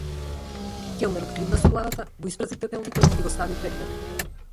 Келнерот климна со главата, го испразни пепелникот и го стави пред мене.